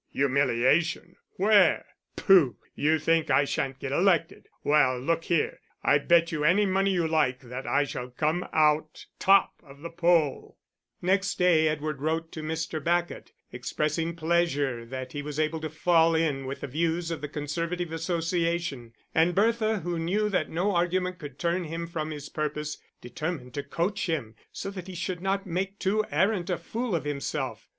"Humiliation, where? Pooh, you think I shan't get elected. Well, look here, I bet you any money you like that I shall come out top of the poll." Next day Edward wrote to Mr. Bacot expressing pleasure that he was able to fall in with the views of the Conservative Association; and Bertha, who knew that no argument could turn him from his purpose, determined to coach him, so that he should not make too arrant a fool of himself.